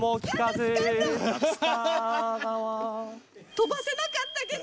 飛ばせなかったけど。